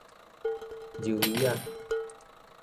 鰇魚仔